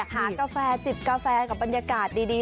กาแฟจิบกาแฟกับบรรยากาศดี